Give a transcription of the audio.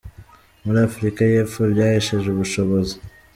muri Afurika y’Epfo byahesheje ubushobozi.